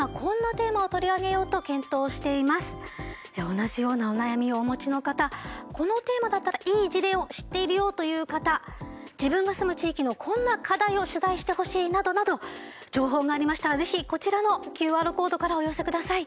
同じようなお悩みをお持ちの方このテーマだったらいい事例を知っているよという方自分が住む地域のこんな課題を取材してほしいなどなど情報がありましたら是非こちらのＱＲコードからお寄せください。